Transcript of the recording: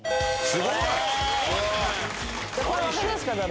すごいな！